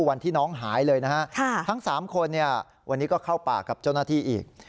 วันที่น้องหายเลยนะฮะทั้ง๓คนวันนี้ก็เข้าป่ากับเจ้าหน้าที่อีก